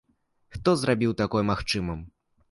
Хто зрабіў такое магчымым?